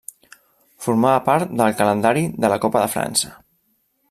Formava part del calendari de la Copa de França.